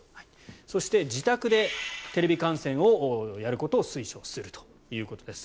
そして自宅でテレビ観戦をやることを推奨するということです。